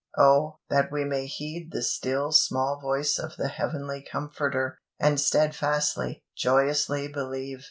Oh, that we may heed the still small voice of the Heavenly Comforter, and steadfastly, joyously believe!